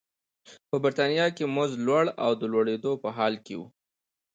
په برېټانیا کې مزد لوړ او د لوړېدو په حال کې و.